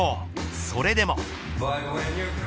それでも。